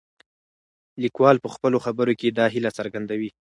لیکوال په خپلو خبرو کې دا هیله څرګندوي.